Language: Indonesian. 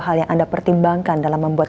hal yang anda pertimbangkan dalam membuat